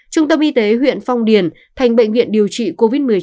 trung tâm y tế huyện phong điền thành bệnh viện điều trị covid một mươi chín huyện phong điền